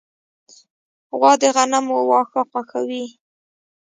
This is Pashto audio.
غوا د غنمو واښه خوښوي.